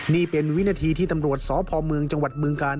นี่เป็นวินาทีที่ตำรวจสพเมืองจังหวัดบึงกาล